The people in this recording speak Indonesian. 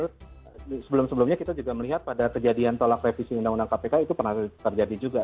sebelum sebelumnya kita juga melihat pada kejadian tolak revisi undang undang kpk itu pernah terjadi juga